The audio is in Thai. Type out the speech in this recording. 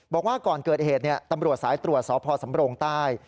บอกว่าก่อนเกิดเหตุตำรวจสายตรวจสพสำโรงใต้